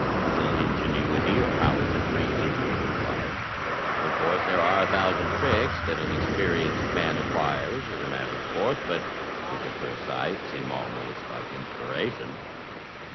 Little ingenuity or powers of reason were required. Of course, there are a thousand tricks that an experienced man acquires as a matter of course, but which at first sight seem almost like inspiration.